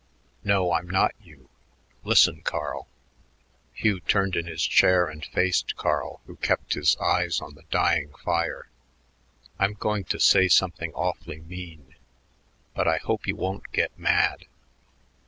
"No, I'm not you. Listen, Carl." Hugh turned in his chair and faced Carl, who kept his eyes on the dying fire. "I'm going to say something awfully mean, but I hope you won't get mad....